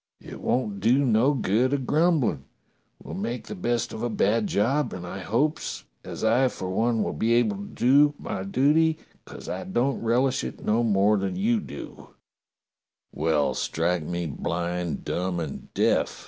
It won't do no good a grumblin'. We'll make the best of a bad job, and I hopes as I for one will be able to do my duty, 'cos I don't relish it no more than you do." 210 DOCTOR SYN "Well, strike me blind, dumb, and deaf!"